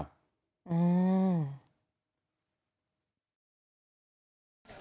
อืม